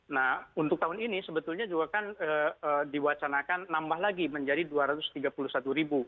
nah untuk tahun ini sebetulnya juga kan diwacanakan nambah lagi menjadi dua ratus tiga puluh satu ribu